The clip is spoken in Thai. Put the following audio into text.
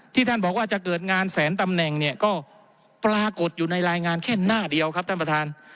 ท่านบอกว่าจะเกิดงานแสนตำแหน่งเนี่ยก็ปรากฏอยู่ในรายงานแค่หน้าเดียวครับท่านประธาน